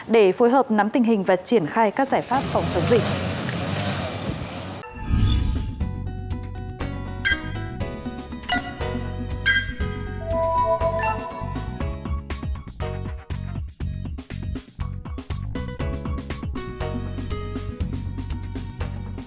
để phối hợp nắm tình hình và triển khai các giải pháp phòng chống dịch